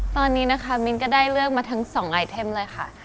ตอนนี้นะคะมิ้นก็ได้เลือกมาทั้ง๒ไอเทมเลยค่ะ